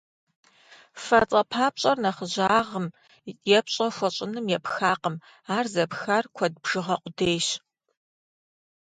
«Фэ» цӏэпапщӏэр нэхъыжьагъым е пщӏэ хуэщӏыным епхакъым, ар зэпхар куэд бжыгъэ къудейщ.